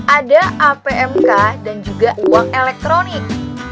ada apmk dan juga uang elektronik